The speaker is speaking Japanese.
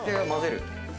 混ぜる。